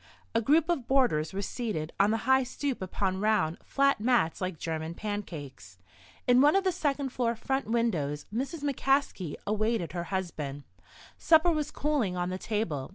A group of boarders were seated on the high stoop upon round, flat mats like German pancakes. In one of the second floor front windows Mrs. McCaskey awaited her husband. Supper was cooling on the table.